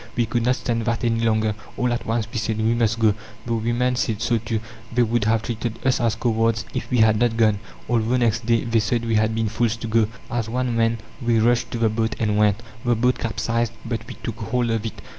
We could not stand that any longer. All at once we said, "We must go!" The women said so too; they would have treated us as cowards if we had not gone, although next day they said we had been fools to go. As one man, we rushed to the boat, and went. The boat capsized, but we took hold of it.